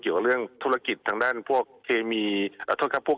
ถ้นนั่งเรื่องธุรกิจทางด้านผู้๔๓๐๐๑๐๐๑๐๐๒